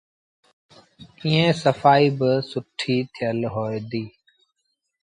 ائيٚݩ سڦآئيٚ با سُٺي ٿيل هوئي ديٚ۔